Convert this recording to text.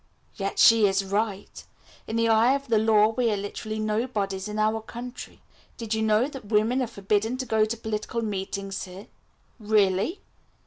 "Yet she is right. In the eye of the law we are literally nobodies in our country. Did you know that women are forbidden to go to political meetings here?" "Really?"